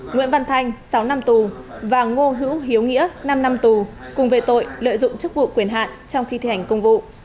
nguyễn văn thanh sáu năm tù và ngô hữu hiếu nghĩa năm năm tù cùng về tội lợi dụng chức vụ quyền hạn trong khi thi hành công vụ